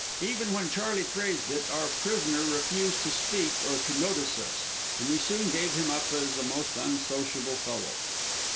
Even when Charley praised it, our prisoner refused to speak or to notice us, and we soon gave him up as a most unsociable fellow.